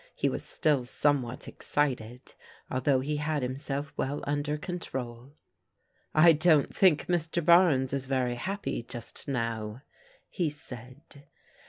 He was still somewhat excited although he had himself well under control. " I don't think Mr. Barnes is very happy just now," he said.